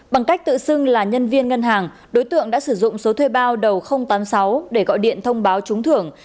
bằng cách tự xưng là nhân viên ngân hàng đối tượng đã sử dụng số thuê bao đầu nghìn tám mươi sáu để gọi điện thông báo trúng thưởng